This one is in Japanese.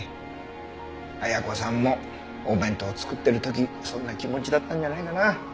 綾子さんもお弁当を作ってる時そんな気持ちだったんじゃないかな。